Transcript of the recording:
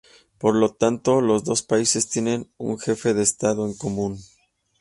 Por lo tanto, los dos países tienen un jefe de estado en común.